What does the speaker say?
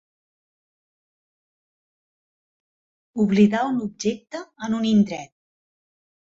Oblidar un objecte en un indret.